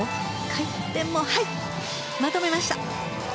回転もまとめました。